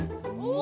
お！